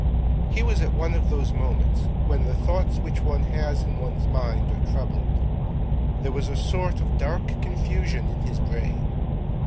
He was at one of those moments when the thoughts which one has in one's mind are troubled. There was a sort of dark confusion in his brain.